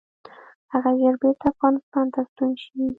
هغه ژر بیرته افغانستان ته ستون شي.